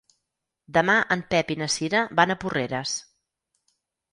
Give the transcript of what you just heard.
Demà en Pep i na Cira van a Porreres.